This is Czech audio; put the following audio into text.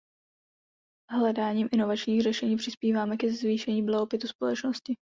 Hledáním inovačních řešení přispíváme ke zvýšení blahobytu společnosti.